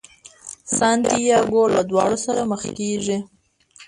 سانتیاګو له داړو سره مخ کیږي.